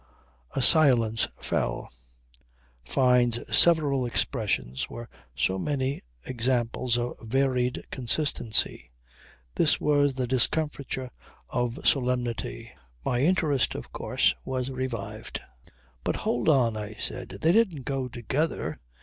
A silence fell. Fyne's several expressions were so many examples of varied consistency. This was the discomfiture of solemnity. My interest of course was revived. "But hold on," I said. "They didn't go together.